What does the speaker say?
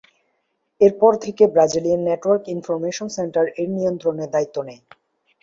এরপর থেকে Brazilian network information centre এর নিয়ন্ত্রণের দ্বায়িত্ব নেয়।